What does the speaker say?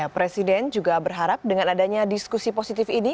presiden juga berharap dengan adanya diskusi positif ini